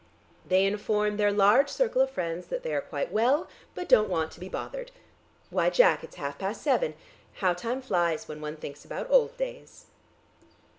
They inform their large circle of friends that they are quite well, but don't want to be bothered. Why, Jack; it's half past seven. How time flies when one thinks about old days."